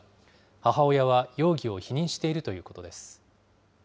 母親は容疑を否認しているということです。